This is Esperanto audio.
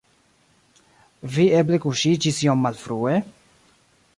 Vi eble kuŝiĝis iom malfrue?